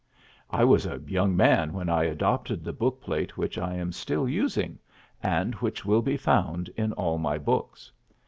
I was a young man when I adopted the bookplate which I am still using, and which will be found in all my books.